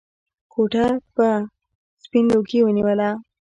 کوټه به سپين لوګي ونيوله.